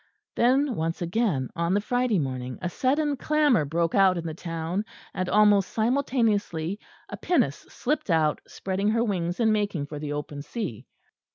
Then once again on the Friday morning a sudden clamour broke out in the town, and almost simultaneously a pinnace slipped out, spreading her wings and making for the open sea.